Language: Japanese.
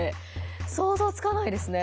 想像つかないですね。